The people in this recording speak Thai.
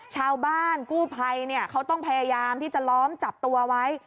ชาวบ้านกู้ภัยเขาต้องพยายามที่จะล้อมจับตัวไว้